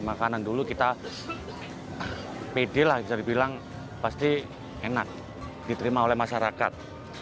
makanan dulu kita pede lah bisa dibilang pasti enak diterima oleh masyarakat